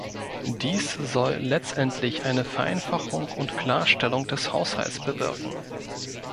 Dies soll letztendlich eine Vereinfachung und Klarstellung des Haushalts bewirken.